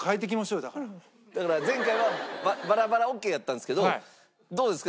だから前回はバラバラオッケーやったんですけどどうですか？